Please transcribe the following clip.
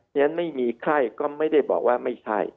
ฉะนั้นไม่มีไข้ก็ไม่ได้บอกว่าไม่ใช่